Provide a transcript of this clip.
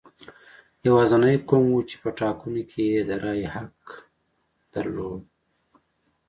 یوازینی قوم و چې په ټاکنو کې د رایې حق یې درلود.